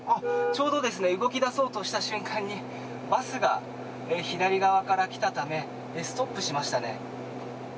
ちょうど動き出そうとした瞬間にバスが左側から来たためストップしましたね。